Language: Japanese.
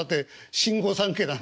新御三家なのに。